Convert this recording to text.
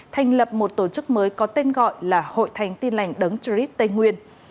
thành lập một tổ chức mới có tên gọi là hội thánh tin lành đấng trích tây nguyên